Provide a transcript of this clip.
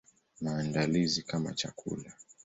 Maandalizi kama chakula.